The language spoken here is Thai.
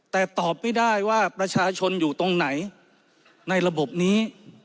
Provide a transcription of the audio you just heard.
แต่ตอบไม่ได้ว่าประชาชนอยู่ตรงไหนในระบบนี้